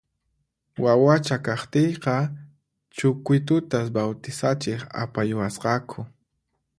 Wawacha kaqtiyqa Chucuitutas bawtisachiq apayuwasqaku